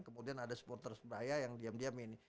kemudian ada supporter sebaya yang diam diam ini